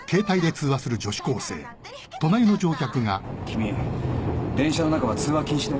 君電車の中は通話禁止だよ。